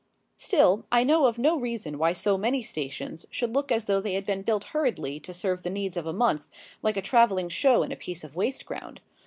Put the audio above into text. Still, I know of no reason why so many stations should look as though they had been built hurriedly to serve the needs of a month, like a travelling show in a piece of waste ground.